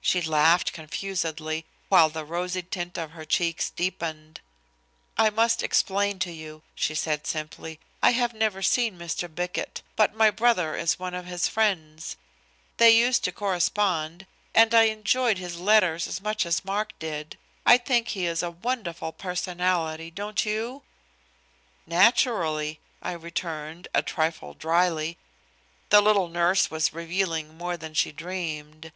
She laughed confusedly while the rosy tint of her cheeks deepened. "I must explain to you," she said simply. "I have never seen Mr. Bickett, but my brother is one of his friends. They used to correspond, and I enjoyed his letters as much as Mark did. I think his is a wonderful personality, don't you?" "Naturally," I returned, a trifle dryly. The little nurse was revealing more than she dreamed.